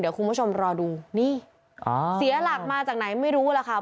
เดี๋ยวคุณผู้ชมรอดูนี่เสียหลักมาจากไหนไม่รู้ล่ะค่ะ